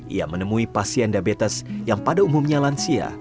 ia menemui pasien diabetes yang pada umumnya lansia